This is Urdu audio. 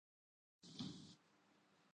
اس کی کیا ضرورت تھی؟